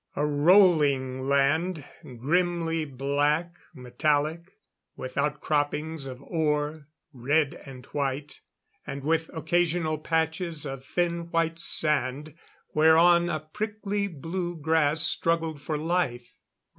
A rolling land, grimly black, metallic; with outcroppings of ore, red and white and with occasional patches of thin white sand whereon a prickly blue grass struggled for life.